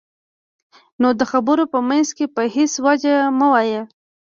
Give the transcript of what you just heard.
نو د خبرو په منځ کې په هېڅ وجه مه وایئ.